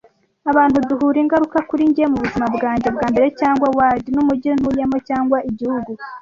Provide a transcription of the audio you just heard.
Abantu duhura, ingaruka kuri njye mubuzima bwanjye bwambere cyangwa ward numujyi ntuyemo, cyangwa igihugu,